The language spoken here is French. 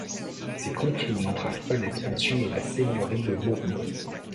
Ces conflits n'entravent pas l'expansion de la seigneurie de Bourbon.